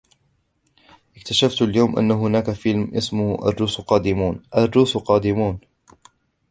اكتشفت اليوم أن هناك فيلم اسمه " الروس قادمون! " الروس قادمون!